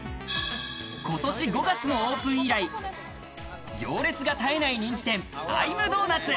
今年５月のオープン以来、行列が絶えない人気店Ｉ’ｍｄｏｎｕｔ？